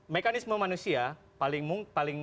mekanisme manusia paling